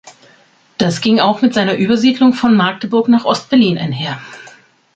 Das ging auch mit seiner Übersiedlung von Magdeburg nach Ost-Berlin einher.